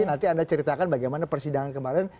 nanti anda ceritakan bagaimana persidangan kemarin